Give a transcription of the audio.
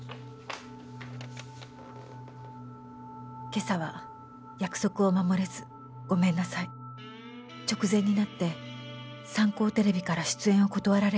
「今朝は約束を守れずごめんなさい」「直前になってサンコーテレビから出演を断られました」